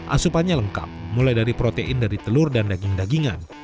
asupannya lengkap mulai dari protein dari telur dan daging dagingan